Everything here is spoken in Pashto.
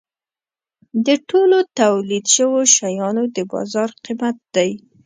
د ټولو تولید شوو شیانو د بازار قیمت دی.